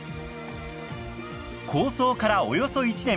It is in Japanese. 構想からおよそ１年。